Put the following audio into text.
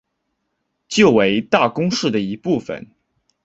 旧为大宫市的一部分。